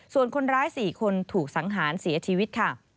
ส่วนคนร้าย๔คนถูกสังหารเสียชีวิตค่ะ